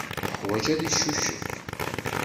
Yeḥwaj ad yeccucef.